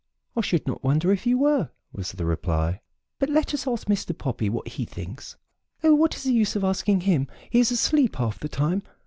"I should not wonder if you were," was the reply, "but let us ask Mr. Poppy what he thinks." "Oh, what is the use of asking him. He is asleep half the time.